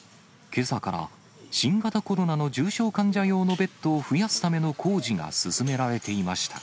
けさから新型コロナの重症患者用のベッドを増やすための工事が進められていました。